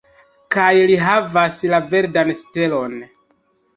Kaj li havas la verdan stelon.